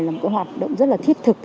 là một cái hoạt động rất là thiết thực